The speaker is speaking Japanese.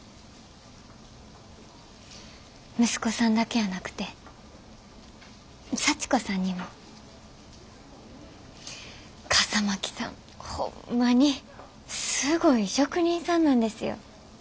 息子さんだけやなくて佐知子さんにも。笠巻さんホンマにすごい職人さんなんですよ。